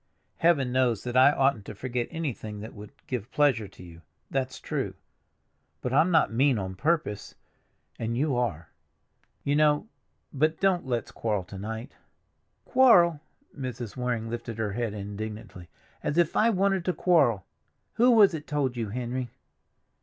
Heaven knows that I oughtn't to forget anything that would give pleasure to you—that's true; but I'm not mean on purpose, and you are. You know—But don't let's quarrel to night." "Quarrel!" Mrs. Waring lifted her head indignantly. "As if I wanted to quarrel! Who was it told you, Henry?"